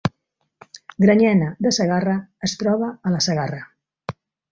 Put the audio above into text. Granyena de Segarra es troba a la Segarra